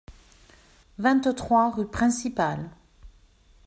vingt-trois rue Principale